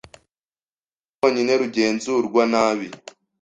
urwego rwonyine rugenzurwa nabi